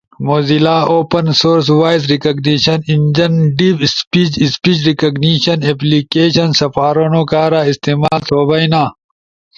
موزیلا اوپن سورس وائس ریکگنیشن انجن ڈیپ اسپیج، اسپیج ریکگنیشن اپلیکیشن سپارونو کارا استعمال تھو بئینا،